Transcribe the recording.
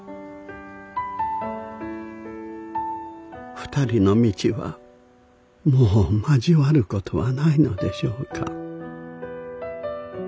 ２人の道はもう交わる事はないのでしょうか。